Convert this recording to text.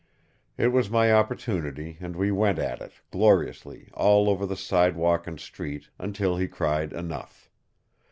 It was my opportunity, and we went at it, gloriously, all over the sidewalk and street, until he cried enough.